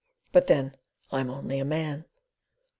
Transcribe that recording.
"But, then, I'm only a man."